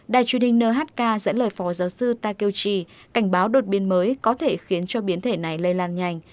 đài truyền hình nhk dẫn lời phó giáo sư takeochi cảnh báo đột biến mới có thể khiến cho biến thể này lây lan nhanh